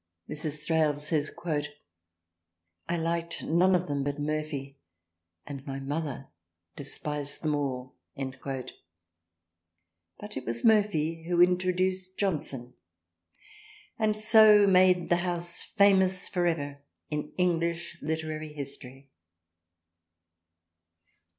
Mrs. Thrale says " I liked none of them but Murphy, and my mother despised them all," but it was Murphy who introduced Johnson and so made the house fam ous for ever in English Literary History.